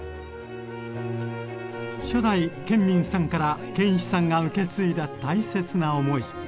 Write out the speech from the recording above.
初代建民さんから建一さんが受け継いだ大切な思い。